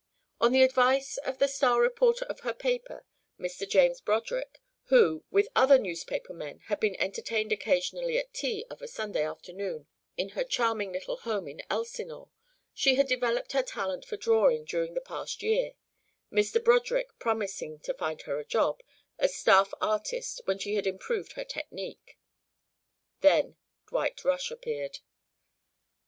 On the advice of the star reporter of her paper, Mr. James Broderick, who, with other newspaper men had been entertained occasionally at tea of a Sunday afternoon in her charming little home in Elsinore, she had developed her talent for drawing during the past year; Mr. Broderick promising to "find her a job" as staff artist when she had improved her technique. Then Dwight Rush appeared.